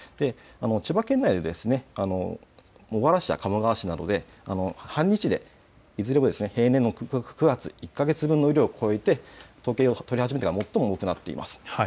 千葉県内、茂原市や鴨川市などで半日でいずれも平年の９月１か月分の雨量を超えて統計を取り始めてから最も多くなっています。